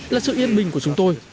là sự yên bình của chúng tôi